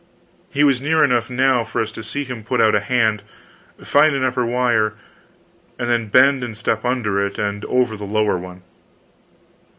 He was near enough now for us to see him put out a hand, find an upper wire, then bend and step under it and over the lower one.